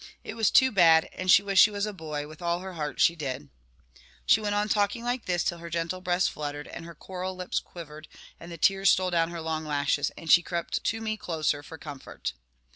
It was too bad, and she wished she was a boy, with all her heart she did. She went on talking like this till her gentle breast fluttered, and her coral lips quivered, and the tears stole down her long lashes, and she crept to me closer for comfort.